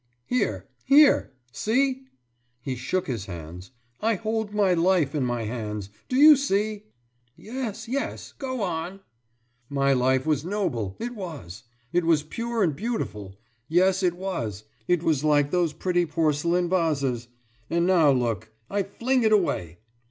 »Here! Here! See?« He shook his hands. »I hold my life in my hands! Do you see?« »Yes! Yes! Go on!« »My life was noble, it was! It was pure and beautiful. Yes, it was! It was like those pretty porcelain vases. And now, look! I fling it away....